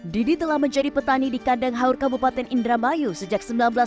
didi telah menjadi petani di kandang haur kabupaten indramayu sejak seribu sembilan ratus sembilan puluh